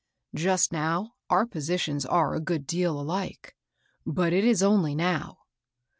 " Just now, our positions are a good deal alike ; but it is only now.